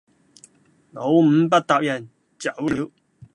老五不答應，走了；